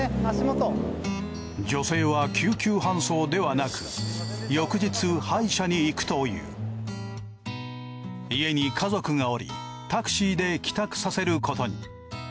女性は救急搬送ではなく家に家族がおりタクシーで帰宅させることに。